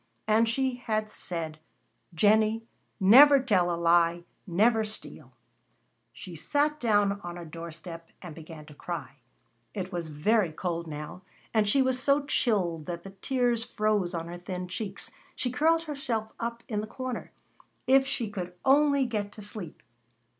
And she had said, "Jennie, never tell a lie, never steal." She sat down on a doorstep and began to cry. It was very cold now, and she was so chilled that the tears froze on her thin cheeks. She curled herself up in the corner. If she could only get to sleep.